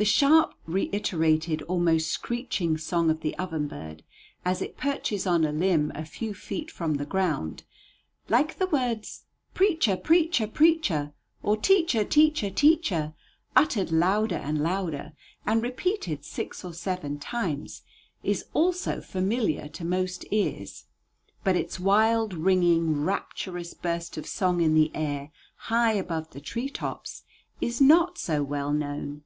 The sharp, reiterated, almost screeching song of the oven bird, as it perches on a limb a few feet from the ground, like the words "preacher, preacher, preacher," or "teacher, teacher, teacher," uttered louder and louder, and repeated six or seven times, is also familiar to most ears; but its wild, ringing, rapturous burst of song in the air high above the tree tops is not so well known.